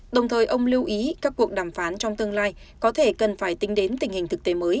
đồng thời ông lưu ý các cuộc đàm phán trong tương lai có thể cần phải tính đến tình hình